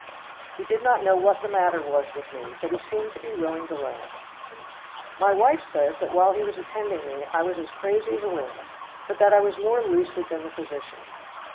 He did not know what the matter was with me, but he seemed to be willing to learn. My wife says that while he was attending me I was as crazy as a loon, but that I was more lucid than the physician.